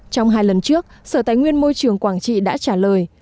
trong hai lần trước sở tài nguyên môi trường quảng trị đã trả lời